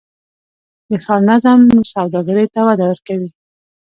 د ښار نظم سوداګرۍ ته وده ورکوي؟